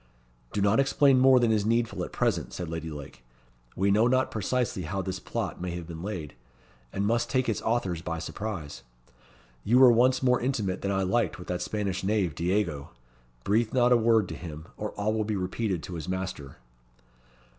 "Do not explain more than is needful at present," said Lady Lake. "We know not precisely how this plot may have been laid, and must take its authors by surprise. You were once more intimate than I liked with that Spanish knave, Diego. Breathe not a word to him, or all will be repeated to his master."